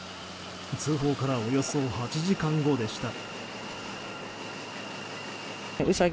通報からおよそ８時間後でした。